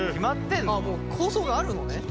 もう構想があるのね。